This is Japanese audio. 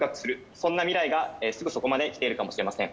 そんな未来がすぐそこまで来ているかもしれません。